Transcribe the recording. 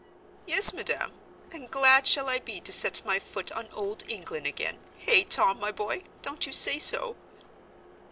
"Yes, Madam, and glad shall I be to set my foot on Old England again Hey, Tom, my boy, don't you say so?"